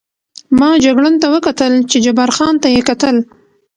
ما جګړن ته وکتل، چې جبار خان ته یې کتل.